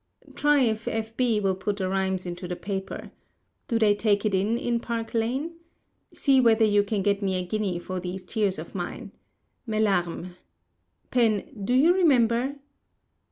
Try if F. B. will put the rhymes into the paper. Do they take it in in Park Lane? See whether you can get me a guinea for these tears of mine: "Mes Larmes," Pen, do you remember?